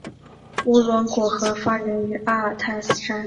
乌伦古河发源于阿尔泰山南坡。